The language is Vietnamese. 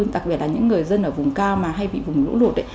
đặc biệt là những người dân ở vùng cao mà hay bị vùng lũ lụt